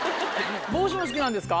帽子も好きなんですか？